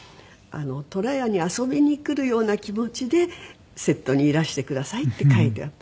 「とらやに遊びに来るような気持ちでセットにいらしてください」って書いてあった。